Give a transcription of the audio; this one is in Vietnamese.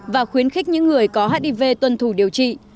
và khuyến khích những người có hiv tuân thủ điều trị